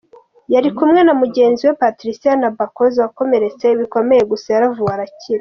Yari kumwe na mugenzi we Patricia Nabakooza wakomeretse bikomeye gusa yaravuwe arakira.